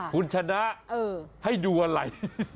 คุณชนะให้ดูอะไร